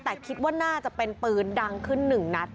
แต่คิดว่าน่าจะเป็นปืนดังขึ้นหนึ่งนัด